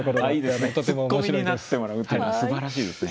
ツッコミになってもらうというのはすばらしいですね。